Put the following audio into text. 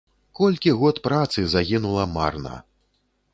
Колькі год працы загінула марна!